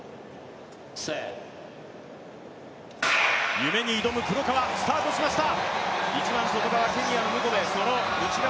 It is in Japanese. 夢に挑む黒川、スタートしました。